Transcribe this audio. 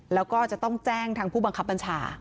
แล้วก็จะต้องแจ้งทางผู้บังคับบัญชา